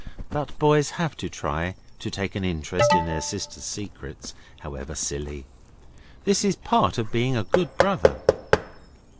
But boys have to try to take an interest in their sisters' secrets, however silly. This is part of being a good brother.